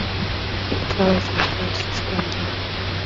It flowers in July to September.